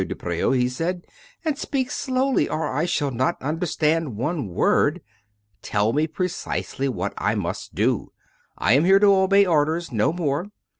de Preau," he said, " and speak slowly, or I shall not understand one word. Tell me pre cisely what I must do. I am here to obey orders — no more.